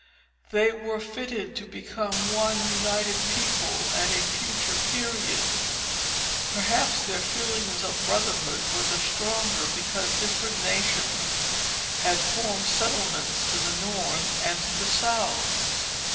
They were fitted to become one united people, at a future period. Perhaps their feelings of brotherhood were the stronger, because different nations had formed settlements to the north and to the south.